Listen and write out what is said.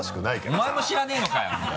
お前も知らないのかよ！